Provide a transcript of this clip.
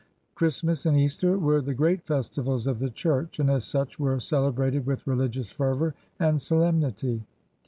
Christ mas and Easter were the great festivals of the Church and as such were celebrated with religious fervor and solemnity.